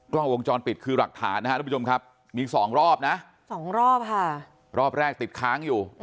กล้องวงจรปิดคือหลักฐานนะครับทุกผู้ชมครับมีสองรอบนะสองรอบค่ะรอบแรกติดค้างอยู่